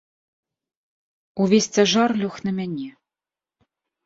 Увесь цяжар лёг на мяне.